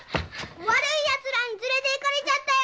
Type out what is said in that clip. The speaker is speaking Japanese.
悪いやつらに連れて行かれちゃったよ！